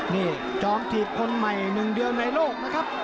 นี่จอมถีบคนใหม่๑เดือนในโลกนะครับ